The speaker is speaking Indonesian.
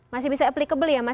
masih bisa applicable ya mas